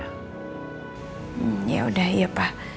hmm yaudah iya pak